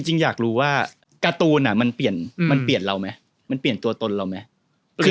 จริงอยากรู้ว่าการ์ตูนมันเปลี่ยนมันเปลี่ยนเราไหมมันเปลี่ยนตัวตนเราไหม